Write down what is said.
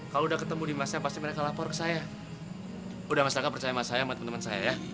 kalau udah ketemu nadimasnya pasti mereka lapor ke saya udah mas raka percaya emak saya sama temen temen saya ya